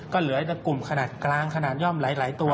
ก็เหลือแต่กลุ่มขนาดกลางขนาดย่อมหลายตัว